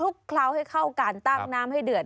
เคล้าให้เข้าการตั้งน้ำให้เดือด